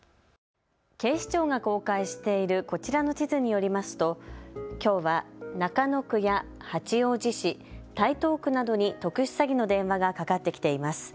警視庁が公開しているこちらの地図によりますときょうは中野区や八王子市、台東区などに特殊詐欺の電話がかかってきています。